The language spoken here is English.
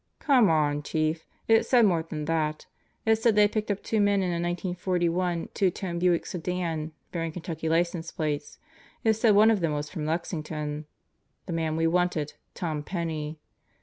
..." ~"ugh "Come on, Chief. It said more than that. It said they haL picked up two men in a 1941 two toned Buick sedan bearing Kentucky license plates. It said one of them was from Lexington the man we wanted: Tom Penney.